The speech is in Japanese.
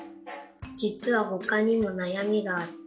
じつはほかにもなやみがあって。